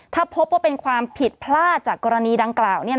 ถ้าพบว่าเป็นความผิดพลาดจากกรณีดังกล่าว